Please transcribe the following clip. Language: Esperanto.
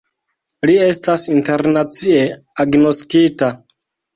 Li estas internacie agnoskita.